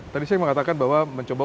tadi saya mengatakan bahwa mencoba